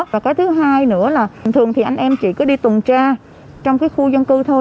và cái thứ hai nữa là thường thì anh em chỉ có đi tuần tra trong cái khu dân cư thôi